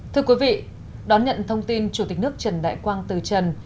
thưa quý vị đón nhận thông tin chủ tịch nước trần đại quang từ trần